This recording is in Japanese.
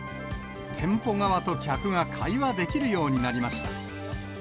店舗側と客が会話できるようになりました。